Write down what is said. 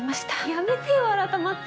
やめてよ改まって。